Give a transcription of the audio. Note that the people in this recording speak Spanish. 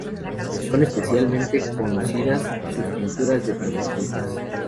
Son especialmente conocidas su pinturas de prostitutas.